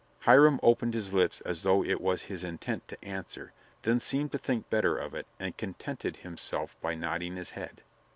Hiram opened his lips as though it was his intent to answer, then seemed to think better of it and contented himself by nodding his head.